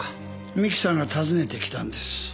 三木さんが訪ねてきたんです。